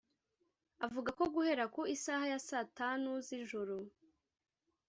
avuga ko guhera ku isaha ya saa tanu z’ijoro